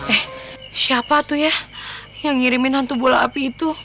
eh siapa tuh ya yang ngirimin hantu bola api itu